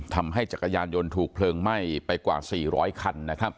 จักรยานยนต์ถูกเพลิงไหม้ไปกว่า๔๐๐คัน